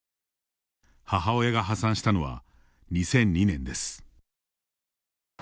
母親が破産したのは２００２年です。